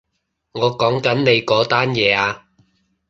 我講緊你嗰單嘢啊